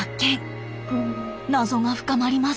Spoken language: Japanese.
謎が深まります。